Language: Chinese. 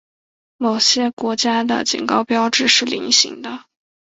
某些国家的警告标志是菱形的。